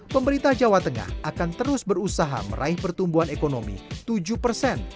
pemerintah jawa tengah akan terus berusaha meraih pertumbuhan ekonomi tujuh persen